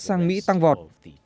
sang mỹ tăng vọt